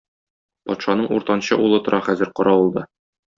Патшаның уртанчы улы тора хәзер каравылда.